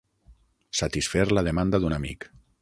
Satisfer la demanda d'un amic.